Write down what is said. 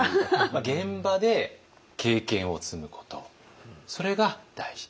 現場で経験を積むことそれが大事。